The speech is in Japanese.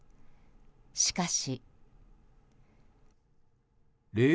しかし。